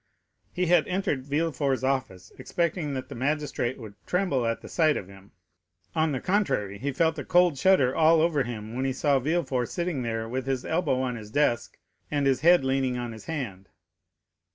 He had entered Villefort's office expecting that the magistrate would tremble at the sight of him; on the contrary, he felt a cold shudder all over him when he saw Villefort sitting there with his elbow on his desk, and his head leaning on his hand.